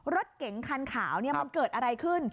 รถเก๋งคันขาวมันเกิดอะไรขึ้น